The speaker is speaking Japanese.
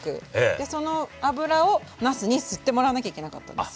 でその脂をなすに吸ってもらわなきゃいけなかったんです。